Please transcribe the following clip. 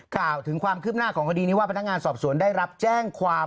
กล่าวถึงความคืบหน้าของคดีนี้ว่าพนักงานสอบสวนได้รับแจ้งความ